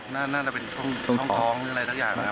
นั่นเป็นท้องท้องอะไรทุกอย่างนะ